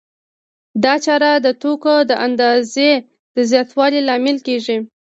دا چاره د توکو د اندازې د زیاتوالي لامل کېږي